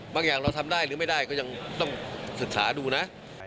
อย่างเราทำได้หรือไม่ได้ก็ยังต้องศึกษาดูนะ